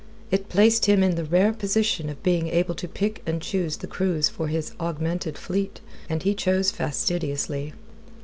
It placed him in the rare position of being able to pick and choose the crews for his augmented fleet, and he chose fastidiously.